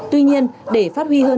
tuy nhiên để phát huy hơn